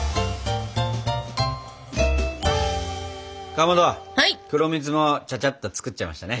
かまど黒蜜もちゃちゃっと作っちゃいましたね。